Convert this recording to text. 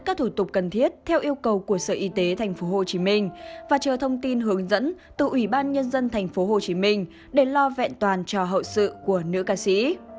các thủ tục cần thiết theo yêu cầu của sở y tế tp hcm và chờ thông tin hướng dẫn từ ủy ban nhân dân tp hcm để lo vẹn toàn cho hậu sự của nữ ca sĩ